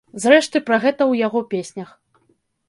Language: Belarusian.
Зрэшты, пра гэта ў яго песнях.